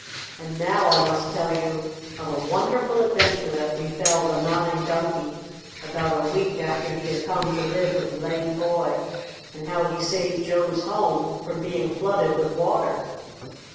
And now I must tell you of a wonderful adventure that befell the Nodding Donkey about a week after he had come to live with the lame boy, and how he saved Joe's home from being flooded with water.